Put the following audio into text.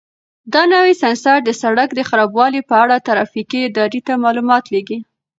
دا نوی سینسر د سړک د خرابوالي په اړه ترافیکي ادارې ته معلومات لېږي.